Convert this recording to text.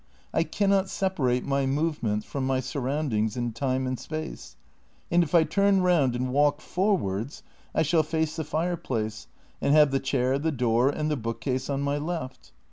I cannot separate my move ments from my surroundings in time and space, and if I turn round and walk forwards I shall face the fire place, and have the chair, the door, and the bookcase on my left.